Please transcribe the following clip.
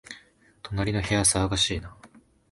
隣の部屋、騒がしいな